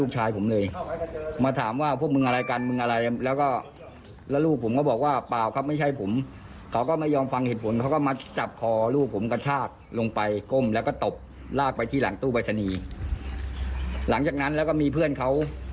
แจ้งตู้บริษณีย์หลังจากนั้นแล้วก็มีเพื่อนเขา